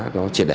nó triệt đẻ